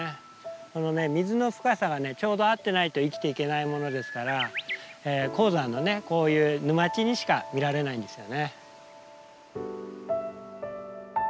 この水の深さがちょうど合ってないと生きていけないものですから高山のこういう沼地にしか見られないんですよね。